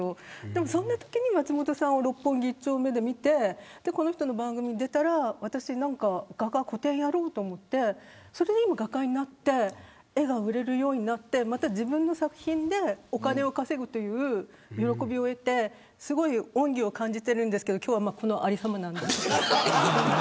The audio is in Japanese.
そんなときに松本さんを六本木１丁目で見てこの人の番組に出たら個展をやろうと思ってそれで今、画家になって絵が売れるようになって自分の作品でお金を稼ぐという喜びを得てすごく恩義を感じているんですけど今日はこのありさまです。